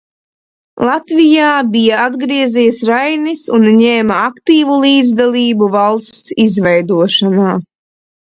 Latvijā bija atgriezies Rainis un ņēma aktīvu līdzdalību valsts izveidošanā.